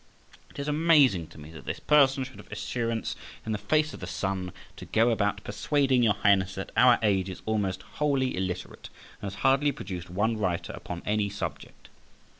It is amazing to me that this person should have assurance, in the face of the sun, to go about persuading your Highness that our age is almost wholly illiterate and has hardly produced one writer upon any subject.